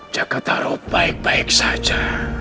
jakarta roh baik baik saja